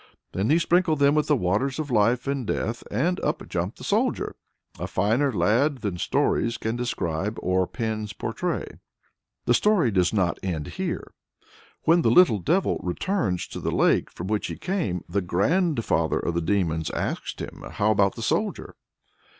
Then he sprinkled them with the Waters of Life and Death and up jumped the soldier, a finer lad than stories can describe, or pens portray!" The story does not end here. When the "little devil" returns to the lake from which he came, "the grandfather" of the demons asks him "How about the soldier?"